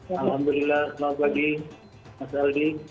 alhamdulillah selamat pagi mas aldi